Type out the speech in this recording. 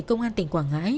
công an tỉnh quảng ngãi